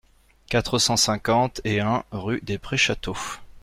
quatre cent cinquante et un rue des Prés Château